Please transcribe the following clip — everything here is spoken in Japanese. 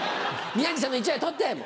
宮治さんの１枚取って。